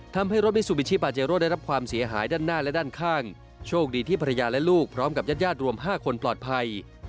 ทำให้รถมิซูบิชิปาเจโร่ได้รับความเสียหายด้านหน้าและด้านข้างโชคดีที่ภรรยาและลูกพร้อมกับญาติญาติรวม๕คนปลอดภัย